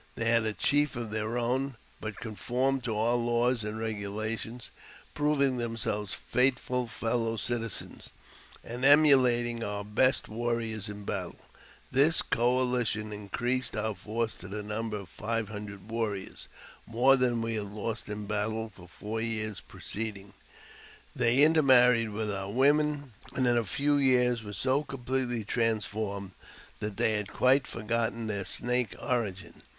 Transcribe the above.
They had a chief of their own, but con formed to our laws and regulations, proving themselves i&ith iul fellow citizens, and emulating our best warriors in battle. This coalition increased our force to the number of five hundred warriors — more than we had lost in battle for four years » Ji JAMES P. BECKWOUBTH. 305 preceding. They intermarried with our women, and in a few years were so completely transformed that they had quite for gotten their Snake origin.